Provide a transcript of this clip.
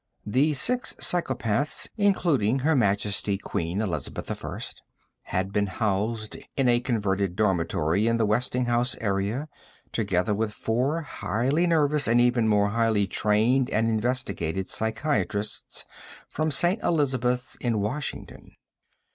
The six psychopaths including Her Majesty Queen Elizabeth I had been housed in a converted dormitory in the Westinghouse area, together with four highly nervous and even more highly trained and investigated psychiatrists from St. Elizabeths in Washington.